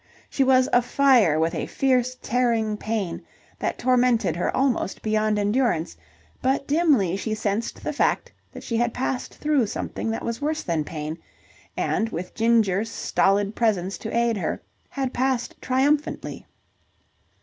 She was afire with a fierce, tearing pain that tormented her almost beyond endurance, but dimly she sensed the fact that she had passed through something that was worse than pain, and, with Ginger's stolid presence to aid her, had passed triumphantly.